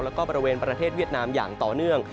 แล้วก็บริเวณประเทศเวียดนามอย่างต่อเนื่อง